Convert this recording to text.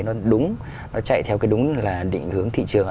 nó đúng nó chạy theo cái đúng là định hướng thị trường